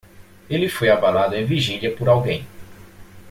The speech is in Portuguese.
Ele foi abalado em vigília por alguém.